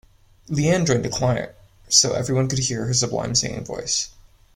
Leanne joined a choir so everyone could hear her sublime singing voice.